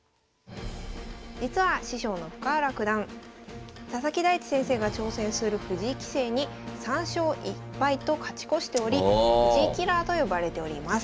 実は師匠の深浦九段佐々木大地先生が挑戦する藤井棋聖に３勝１敗と勝ち越しており藤井キラーと呼ばれております。